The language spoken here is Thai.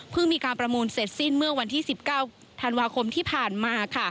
มีการประมูลเสร็จสิ้นเมื่อวันที่๑๙ธันวาคมที่ผ่านมา